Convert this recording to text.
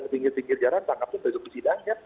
di pinggir pinggir jarang tangkap itu dari sudut sidang